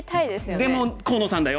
でも河野さんだよ？